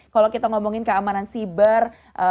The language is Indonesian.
kalau kita ngomongin keamanan siber